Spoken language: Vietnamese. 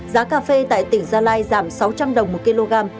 giá cà phê tại tỉnh gia lai giảm sáu trăm linh đồng một kg